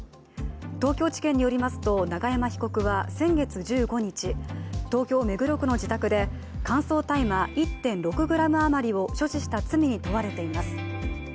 東京地検によりますと永山被告は先月１５日東京・目黒区の自宅で乾燥大麻１．６ｇ余りを所持した罪に問われています。